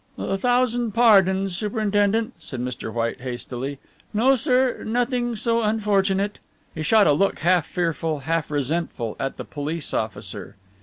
"A thousand pardons, superintendent," said Mr. White hastily, "no, sir, nothing so unfortunate." He shot a look half fearful, half resentful at the police officer.